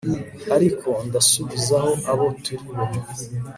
ariko ndasubizaho abo turi bo